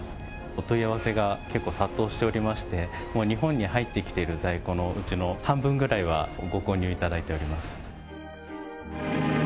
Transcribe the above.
お問い合わせが結構、殺到しておりまして、もう日本に入ってきている在庫のうちの半分ぐらいはご購入いただいております。